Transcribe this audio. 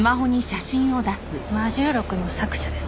『魔銃録』の作者です。